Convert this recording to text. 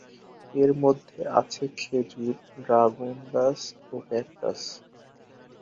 এর মধ্যে আছে খেজুর, ড্রাগন গাছ ও ক্যাকটাস।